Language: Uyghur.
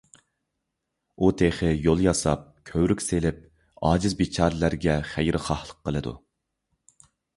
ئۇ تېخى يول ياساپ، كۆۋرۈك سېلىپ، ئاجىز - بىچارىلەرگە خەيرخاھلىق قىلىدۇ.